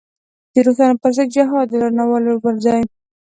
د روسانو پر ضد جهاد اعلانولو پر ځای.